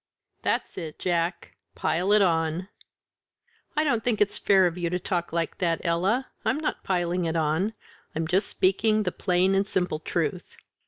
"That's it. Jack pile it on!" "I don't think it's fair of you to talk like that, Ella; I'm not piling it on; I'm just speaking the plain and simple truth.